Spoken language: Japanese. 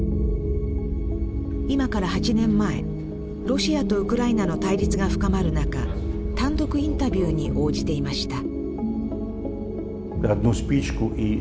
ロシアとウクライナの対立が深まる中単独インタビューに応じていました